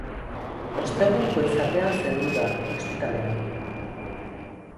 Ostegun goizaldean zendu da, ospitalean.